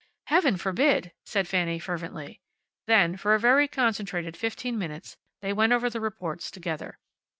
"Heaven forbid," said Fanny, fervently. Then, for a very concentrated fifteen minutes they went over the reports together.